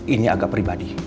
ini agak pribadi